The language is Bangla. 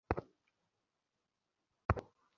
তিনি সেন্ট পল'স ও মন্টেগু'স স্কুলে পড়াশোনা করেন।